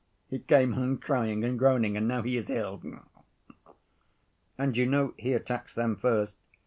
He came home crying and groaning and now he is ill." "And you know he attacks them first.